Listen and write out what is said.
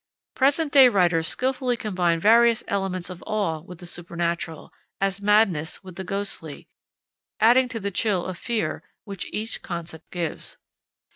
Present day writers skillfully combine various elements of awe with the supernatural, as madness with the ghostly, adding to the chill of fear which each concept gives.